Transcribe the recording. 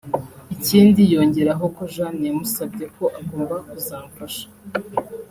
ikindi yongeraho ko Jeanne yamusabye ko agomba kuzamfasha